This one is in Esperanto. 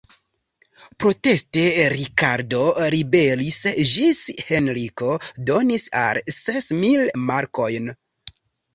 Proteste, Rikardo ribelis ĝis Henriko donis al li ses mil markojn.